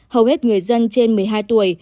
hầu hết người dân trên một mươi hai tuổi